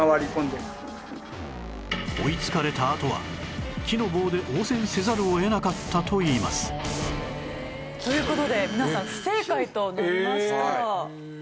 追いつかれたあとは木の棒で応戦せざるを得なかったといいますという事で皆さん不正解となりました。